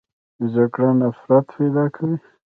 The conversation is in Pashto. جګړه نفرت پیدا کوي